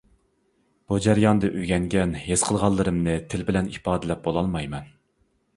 بۇ جەرياندا ئۆگەنگەن، ھېس قىلغانلىرىمنى تىل بىلەن ئىپادىلەپ بولالمايمەن.